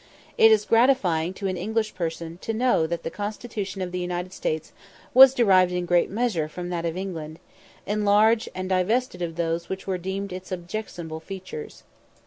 It is gratifying to an English person to know that the Constitution of the States was derived in great measure from that of England, enlarged, and divested of those which were deemed its objectionable features.